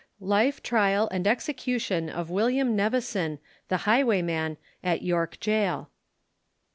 LIFE, TRIAL, & EXECUTION OF WILLIAM NEVISON, THE HIGHWAYMAN, AT YORK GAOL.